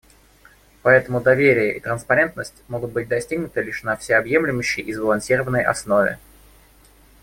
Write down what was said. Поэтому доверие и транспарентность могут быть достигнуты лишь на всеобъемлющей и сбалансированной основе.